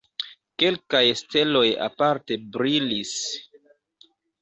Kelkaj steloj aparte brilis.